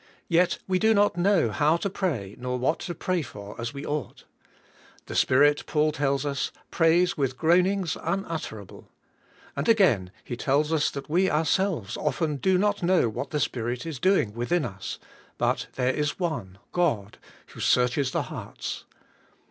Yet we do not know how to pray nor what to pray for as we ought. The Spirit, Paul tells us, prays with groanings unutterable. And again he tells us that we ourselves often do not know what the Spirit is doing within us, but there is one, God, who searches the hearts.